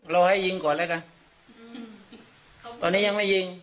เราให้ยิงก่อนแหละค่ะตอนนี้ยังไม่ยิง